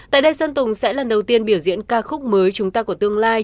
tại đây sơn tùng sẽ lần đầu tiên biểu diễn ca khúc mới chúng ta của tương lai